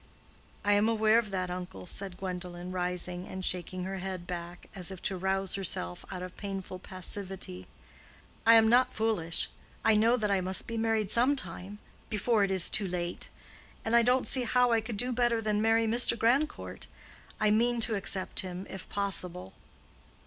"I am aware of that, uncle," said Gwendolen, rising and shaking her head back, as if to rouse herself out of painful passivity. "I am not foolish. I know that I must be married some time—before it is too late. And I don't see how I could do better than marry Mr. Grandcourt. I mean to accept him, if possible."